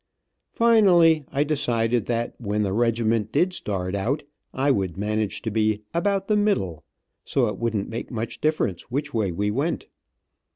Finally I decided that when the regiment did start out, I would manage to be about the middle, so it wouldn't make much difference which way we went.